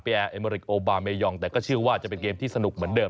แอร์เอเมริกโอบาเมยองแต่ก็เชื่อว่าจะเป็นเกมที่สนุกเหมือนเดิม